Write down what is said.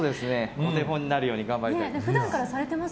お手本になるように頑張りたいと思います。